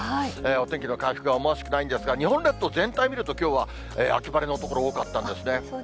お天気の回復が思わしくないんですが、日本列島全体を見ると、きょうは秋晴れの所、多かったんですね。